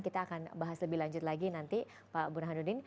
kita akan bahas lebih lanjut lagi nanti pak burhanuddin